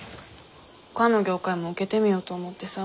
ほかの業界も受けてみようと思ってさ。